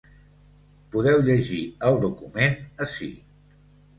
Podeu llegir el document ací.